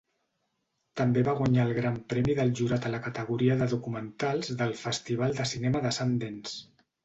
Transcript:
També va guanyar el Gran Premi del Jurat a la categoria de documentals del Festival de Cinema de Sundance.